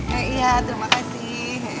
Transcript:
ya iya terima kasih